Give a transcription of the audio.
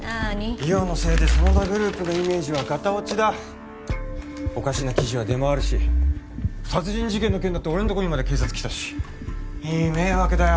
梨央のせいで真田グループのイメージはガタ落ちだおかしな記事は出回るし殺人事件の件だって俺のとこにまで警察来たしいい迷惑だよ